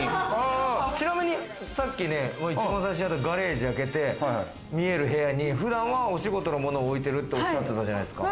ちなみにさっき、ガレージ開けて見える部屋に普段はお仕事のものを置いてるって、おっしゃってたじゃないですか。